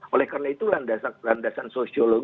oleh karena itu landasan sosiologi